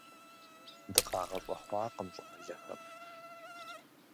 ДыкъагъэщӀэхъуакъым щӀалэхэм.